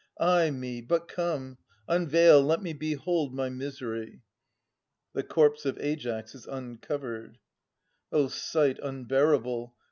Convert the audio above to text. Ay me! But come, Unveil. Let me behold my misery. [The corpse oj Aias is uncovered. O sight unbearable!